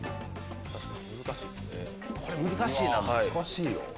これ難しいな。